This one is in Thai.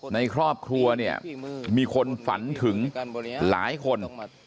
ในครอบครัวเนี่ยมีคนฝันถึงหลายคน